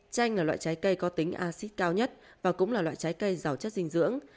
chanh là loại trái cây có tính acid cao nhất và cũng là loại trái cây giàu chất dinh dưỡng